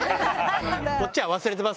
こっちは忘れてます。